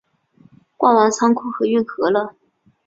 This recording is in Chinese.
逛完仓库和运河了